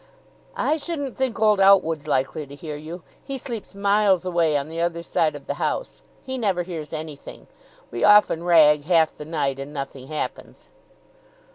"I shouldn't think old Outwood's likely to hear you he sleeps miles away on the other side of the house. He never hears anything. We often rag half the night and nothing happens."